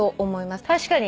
確かに。